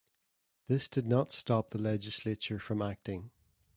This did not stop the Legislature from acting.